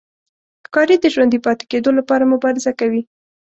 ښکاري د ژوندي پاتې کېدو لپاره مبارزه کوي.